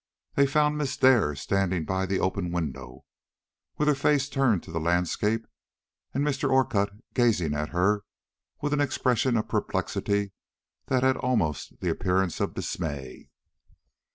They found Miss Dare standing by the open window, with her face turned to the landscape, and Mr. Orcutt gazing at her with an expression of perplexity that had almost the appearance of dismay.